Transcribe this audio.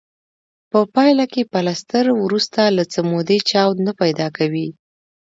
په پایله کې پلستر وروسته له څه مودې چاود نه پیدا کوي.